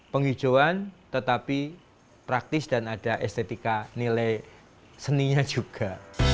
penghijauan tetapi praktis dan ada estetika nilai seninya juga